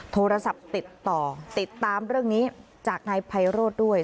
โทรศัพท์ติดต่อติดตามเรื่องนี้จากนายไพโรธด้วย